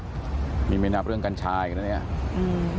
ก็เนี่ยค่ะเมาจริงค่ะมีไม่นับเรื่องกัญชาอีกแล้วเนี่ยอืม